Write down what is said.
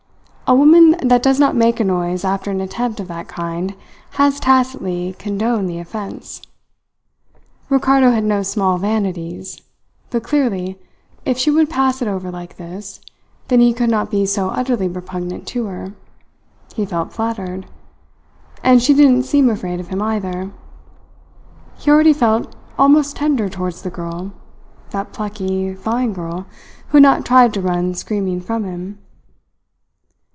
A woman that does not make a noise after an attempt of that kind has tacitly condoned the offence. Ricardo had no small vanities. But clearly, if she would pass it over like this, then he could not be so utterly repugnant to her. He felt flattered. And she didn't seem afraid of him either. He already felt almost tender towards the girl that plucky, fine girl who had not tried to run screaming from him.